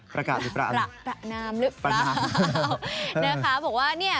ประกาศหรือประประนามหรือเปล่านะคะบอกว่า